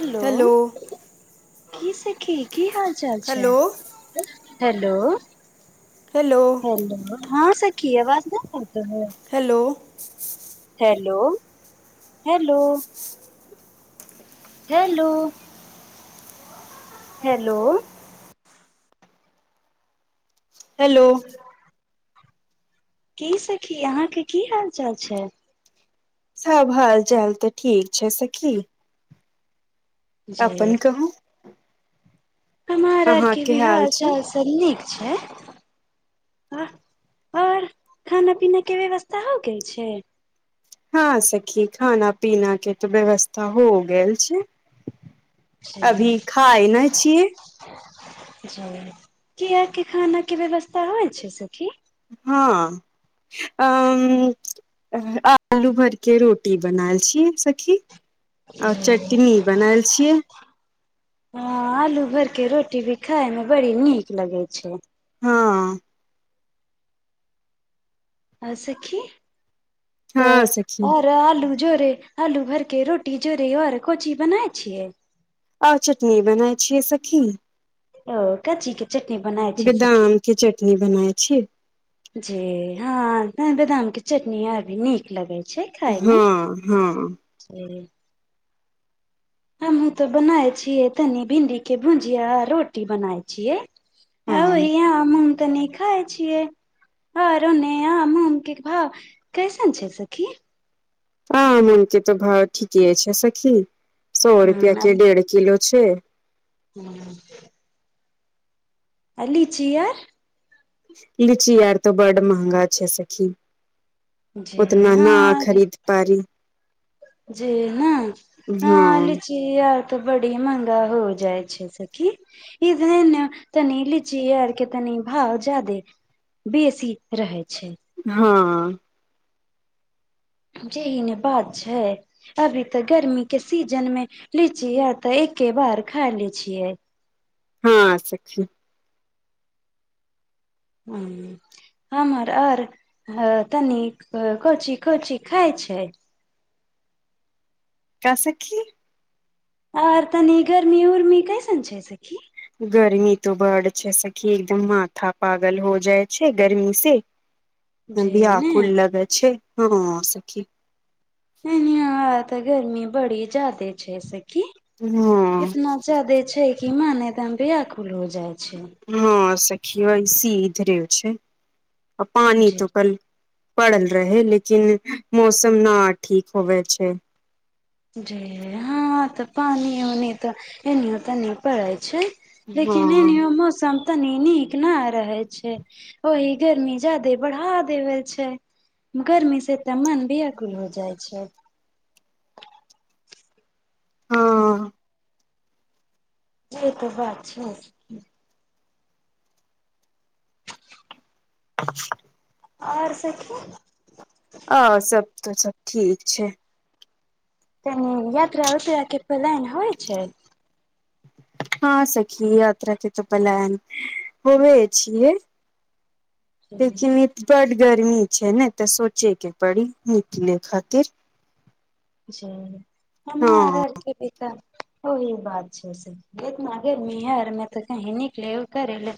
Hello की सखी की हाल चाल छै हेलो हैलो हेलो हेलो हँ सखी आवाज नहि hello hello hello hello hello hello की सखी अहाँके की हाल चाल छै सब हाल चाल तऽ ठीक छै सखी जे अपन कहू हमार आरके अहाँके भि हाल छै चाल सब नीक छै पर खाना पीना के व्यवस्था हो गेल छै हँं सखी खाना पीना के तऽ व्यवस्था हो गेल छै जी अभी खाइ नै छियै जी की आहँके खाना के व्यवस्था होइ छै सखी हँ अ आलू भरके रोटी बनाएल छी सखी आ चटनी बनाय छियै हँ आलू भर के रोटी भी खायमे बड़ी नीक लगै छै हँ आ सखी तऽ हँ सखी आओर आलू जोरे आलू भर के रोटी जोरे आओर को ची बनाय छियै आओर चटनी बनाय छियै सखी ओ का ची के चटनी बनाय छै सखी बेदाम के चटनी बनाय छियै जी हँ बेदाम के चटनी अभी नीक लगै छै हँ खायमे हँ हमहूँ तऽ बनाय छियै तनी भिंडी के भुंजिया रोटी बनाय छियै हँ आय यहाँ मन तनी खाय छियै आओर ओने आम उम के भाव कैसन छै सखी आम उम के तऽ भाव ठीके छै सखी सौ रुपयाके डेढ़ किलो छै ह्म आ लीची यार लीची यार तऽ बड्ड महँगा छै सखी जे उतना न खरीद पारी जी ने न हँ लीची आर तऽ बड़ी महंगा हो जाइ छै सखी कि इधर न तनी लीची आर के तनी भाव जादे बेसी रहै छै हाँ जेही ने बात छै अभी तऽ गर्मी के सीजन मे लीची अतै एके बार खाय ले छियै हाँ सखी उं हमर आर तनी कोंची कोंची खाइब छै का सखी आओर तनी गर्मी उर्मी कैसन छै सखी गर्मी तऽ बड्ड छै सखी एकदम माथा पागल हो जाइ छै गर्मी से अभी जे ने व्याकुल लगै छै हाँ सखी नहि न य तऽ गर्मी बड़ी ज्यादे छै सखी कि हँ इतना जादे छै कि मन एदम व्याकुल हो जाय हाँ सखी ऐसी इधरे छै आ पानी जी तऽ कल पड़ल रहे लेकिन मौसम न ठीक होवे छै जे हाँ तऽ पानी ओनी तऽ एनीओ तनी पड़ै छै लेकिन हँ एनियों मौसम तनी नीक न रहे छै ओहि गर्मी जादे बढ़ा देवै छै गर्मी से तऽ मन व्याकुल हो जाइ छै हाँ ई तऽ बात छै [inaudible] आओर सखी आओर सब तऽ सब ठीक छै तनी यात्रा उतरा के पलायन होइ छै हाँ सखी यात्रा के तऽ पलान होबै छियै देख किन बड गर्मी छै ने तऽ सोचे के पड़ी निकले खातिर हँ आरके पीता ओ ई बात छै एतनादेरमे यारमे तऽ क निकले कर ले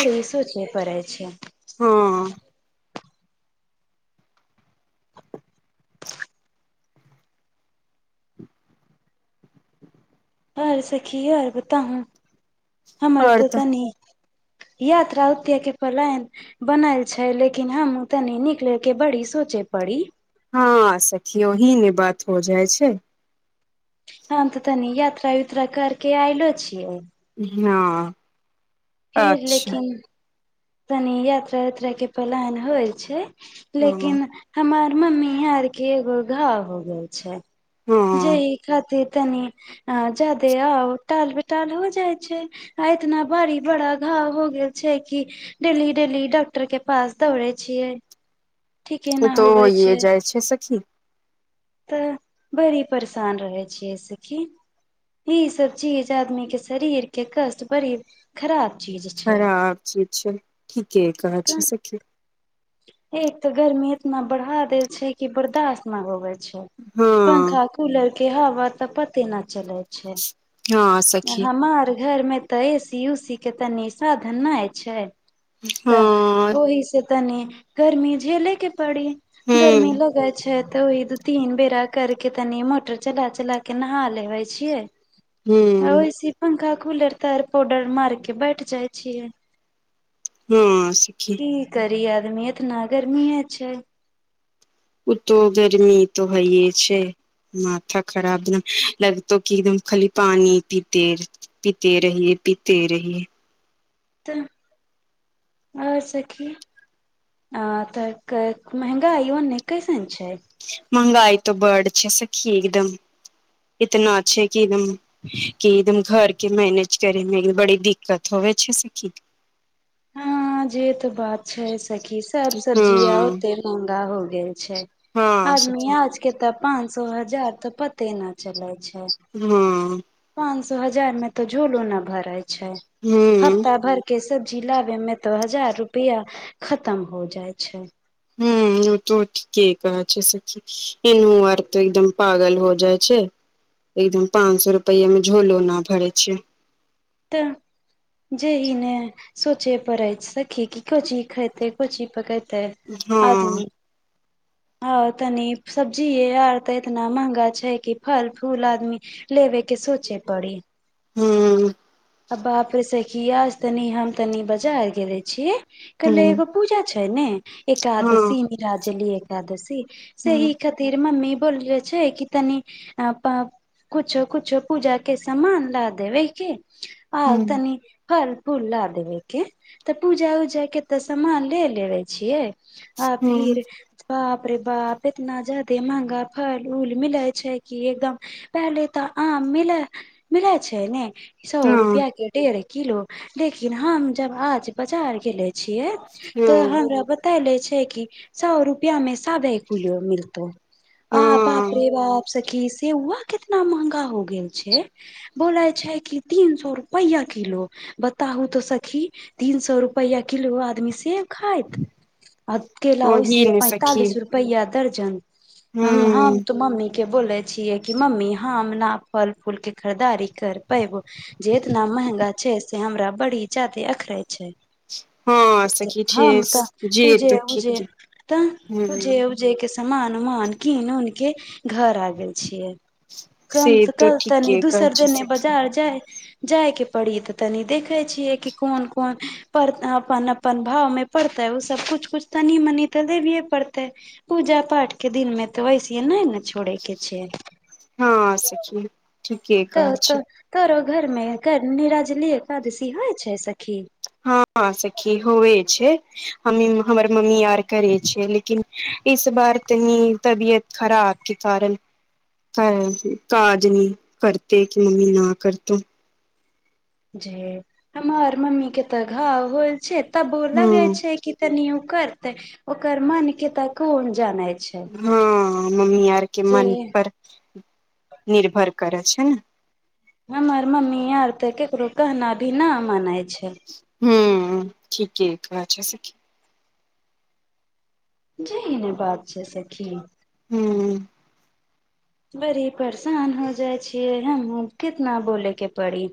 पैसो छै परै छै हाँ आओर सखी ओर बता हू हमर तऽ तनि [inaudible] यात्रा उतय के पलायन बनल छै लेकिन हम उ तनी निक ले के बड़ी सोचे बड़ी हाँ सखियऔही नहि बात हो जाइ छै हाँ तऽ तनी यात्रा यूत्र्रा करके आयलो छियै हाँ फिर लेकिन तनि यात्रा उत्रा के प्लान होइ छै ह लेकिन हमर मम्मी यह आर के एगो घाव हो गेल छै जे हँ ई खातिर तनी ज्यादे आउ टाल बेटाल हो जाय छै आ इतना बरी बड़ा घ हो गेल छै कि डेली डेली डॉक्टर के पास दौड़य छियै ठीके एना तो होवै होइए छै जाइ सखी तऽ बड़ी परेशान रहै छियै एहि सखी ई सब चीज आदमी के शरीर के कष्ट बड़ी खराब चीज छै खराब चीज छै ठीके कहै तऽ छी सखी एक तऽ गर्मी इतना बढ़ा देल छै कि बर्दाश्त न हो गेलै हँ पंखा कूलर के हवा तऽ पते न चलै छै हँ सखी हमर घर में तऽ ए सी उ सी के तऽ साधन नहि छै हँ तऽ ओहि से तनी गर्मी झेलेके बड़ी गर्मी हूँ लगै छै तऽ ओहि तीन बेरा करके तनी मोटर चला चला के नहा लेबे छियै आ हूं ओहिसे पंखा कूलर तार पाउडर मार के बैठ जाइ छियै ह्म की करी आदमी ए तऽना गर्मी छै ओ त गरमी त हइए छै माथा खराब एकदम लगतौ क एकदम खाली पानी पीते पीते रहिए पीते रहीयै तऽ ओर सखी आ तऽ महगा आइो नहि कैसन छै महंगाई त बड छै सखी एकदम इतना अच्छा कि एकदम कि एकदम घर के मैनेज करेमे बड़ी दिक्कत हो हो छै सखी हाँ जे त बात छै सखी क सब हँ सब्जीया ओते महंगा हो गेल छै हँ आदमी सखी आज के तऽ पाच सौ हजार तऽ पते न चलै छै ह्म पच सौ हजार मे तो झोलो न भर छै हूं ह्फता भर जिला मे मे तऽ हजार रुपया खतम हो जाइ छै ह्म त ठ कह छै सी एन अर्थ एकदम पागल हो जाइ छै एकदम पाँच सए रुपैयि मे झोलो न भरे छैय तऽ जे ईने सोचे पड़ै सखी की को ची खातै को ची पकतै हँ [unintelligible] [inaudible] ह तनी सब्जी आर ते एतना महंगा छै कि फल फूल आदमी लेबे के सोचे पड़ी हुँ आ बाप र सखिया तनि हम तनी बजार गेले छीये कल्ले हूँ एगो पूजा छ हँ हूँ एकादशी निराजली एकादशी से ही हूँ खातिर मम्मी बले छै कि तनी आप कुछो कुछो पूजा के समान ला देवै आर तनी फल फूला देवे के तऽ पूजा उजा के ते सामान ले लेबे छियै आ हूँ फिर बाप रे बाप इतना जादे महंगा फल उल मिलै छै कि एकदम पहले तऽ ह मिल मिल छै ने सौ हँ रुपआ के डेर किलो लेकिन हम जब आज बाजार गेले छियै तऽ हूँ हमरा बतायले अछि कि सौ रुपआ साबे किलो मिलतै आ बाप रे हँ बाप क से उआ कितना महंगा हो गेल छै बोले छै कि तीन सौ रुपया किलो बताहु तो सखी तीन सौ रुपया किलो आदमी सेब खाइत आकेला ओही ओइसिय ने सखी पैंतालिस रुपैया दर्जन ह हँ हूँ तुमा मि के बोले छीये कि मम्मी ह हम न फल फूल के खरीदारी कर पेब जे इतना महंगा छै से हमरा बड़ी जादे अखरे छै हँ सखी हँ छै तऽ जे पूजे तऽ उजे ठीके तऽ हूँ पूजे उजे समानुमान कीन उनके घर आ गेल छीये से कन त तो कल तनी ठीके कहै दोसर छै दने सखी बजार जाय जाइके पड़ी तऽ तनि देखै छियै कि कोन कोन पर अपन अपन भावमे पड़ते ओ सब कुछ कुछ तनी मनी तऽ देबि पड़तै पूजा पाठ के दिन में तऽ वैसे नहि ने छोड़े के छै हँ सच मे तऽ त तोरो घरमे निराजलीए एकादशी होइ छै सखी हँ सखी होवे छै हम हमर मम्मी आर करे छियै लेकिन इस बार तनी तबियत खराब के कारण क काज न करते कि मम्मी न करतो जे हमर मम्मी के तऽ घाव होल छै त बोलल गय ह छै की तनि उकर करते ओकर मन के तऽ कोन जाने छै हँ मम्मी आर के मन जे पर निर्भर करय छै हमर मम्मी यार तऽ केकरो कहना भी न मान ह हुँ ठीके एकरा जैसे की जी ई नहि बात छै सखी हुँ बड़ी परेशान हो जाइ छियै हम कितना बोलेके पड़ी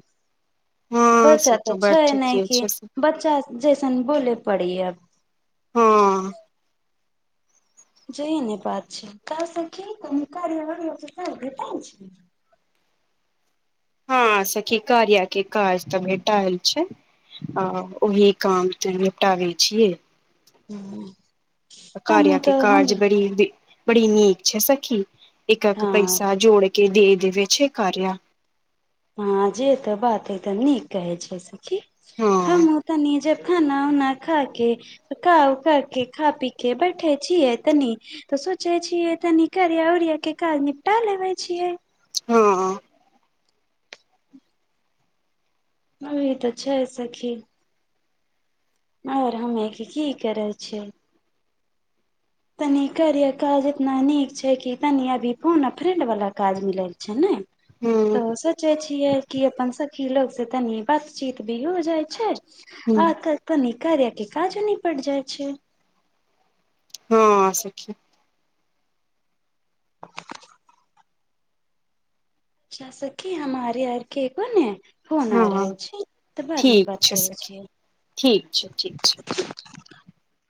हँ से बच्चा तो तऽ बात छै नहि ठीके कि छै सखी। बच्चा जैसन बोले पड़ी अब हँ जइ ने बात छै क कार छै हँ सखी कारियाके काज त भेटायल छै आ ओही काम त निपटाबै छियै हुँ कार्यके कार्ज बड़ी बड़ी नीक छै सखी एक एक हँ पैसा जोड़के देह देवे छै कार्य हँ जे तऽ बात है तऽ नीक कहै छै सखी हम हँ ओ तऽ जे खाना उना खा के पका उका के खा पी के बैठे छियै तनी सोचे छीयै तनी करिया उरिया के काज निपटा लेबे छियै हँ ह ई तऽ छै सखि आउर हमे कि की करै छियै तनी करिय काज इतना नीक छै कि तनी अभी फोन फ्रेड वला काज मिलल छै ने ह तऽ सोचे छियै कि अपन सखी लोक से तनि बातचीत भी हो जाइ छै ह आ तऽ कनि कार्य क काज नीपट जाइ छै हँ सखी शासकी हमारे आरके कोन है फोन आ हँ रहल छै तऽ बादमे ठीक बात छै करै सखी छियै ठीक छै ठीक छै